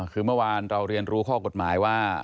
คือเมื่อวานเราเรียนรู้ข้อกฎหมายว่า